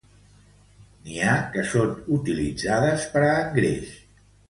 N'hi ha que són utilitzades per a engreix.